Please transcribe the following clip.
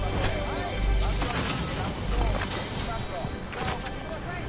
さあお書きください。